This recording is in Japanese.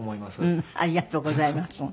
ありがとうございます。